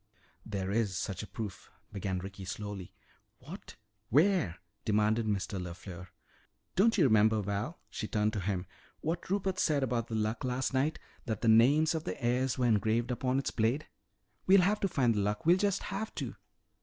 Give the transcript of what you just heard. "There is such a proof," began Ricky slowly. "What? Where?" demanded Mr. LeFleur. "Don't you remember, Val," she turned to him, "what Rupert said about the Luck last night that the names of the heirs were engraved upon its blade? We'll have to find the Luck! We'll just have to!"